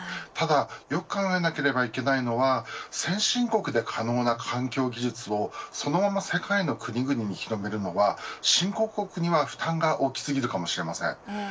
ただよく考えなければいけないのは先進国で可能な環境技術をそのまま世界の国々に広めるのは新興国には負担が大き過ぎるかもしれません。